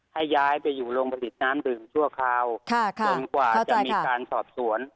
ให้ย้ายไปอยู่โรงผลิตน้ำดื่มชั่วคราวจนกว่าจะมีการสอบสวน